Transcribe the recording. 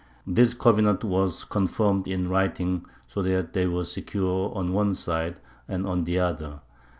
This covenant was confirmed in writing, so that they were secure on one side and on the other.